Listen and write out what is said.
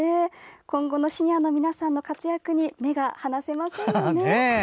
今後のシニアの皆さんの活躍に目が離せませんよね。